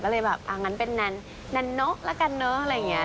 ก็เลยแบบอ้างั้นเป็นนานโนะกันเนอะ